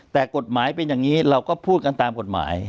แต่กฎหมายเป็นอย่างนี้เราก็พูดกันตามกฎหมาย